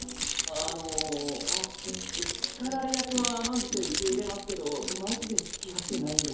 あの叱られ役は甘んじて受け入れますけどマジでつきあってないんで。